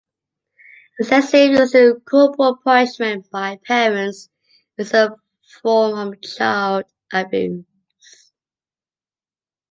Excessive use of corporal punishment by parents is a form of child abuse.